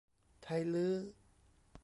ไทลื้อ